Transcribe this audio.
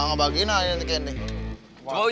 taman ini c taman ini